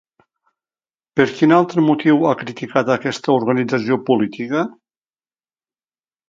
Per quin altre motiu ha criticat aquesta organització política?